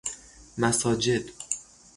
مساجد